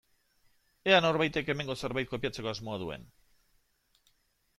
Ea norbaitek hemengo zerbait kopiatzeko asmoa duen.